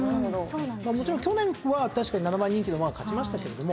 もちろん去年は確かに７番人気の馬が勝ちましたけれども。